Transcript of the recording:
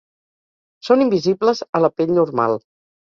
Són invisibles a la pell normal.